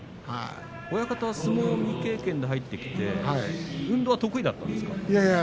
親方は相撲未経験で入ってきて、運動は得意だったんですか？